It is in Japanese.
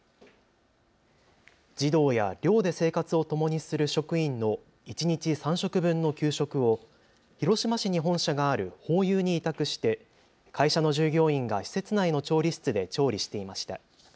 児童や、寮で生活をともにする職員の一日３食分の給食を広島市に本社があるホーユーに委託して会社の従業員が施設内の調理室で調理していました。